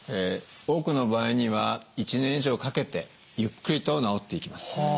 多くの場合には１年以上かけてゆっくりと治っていきます。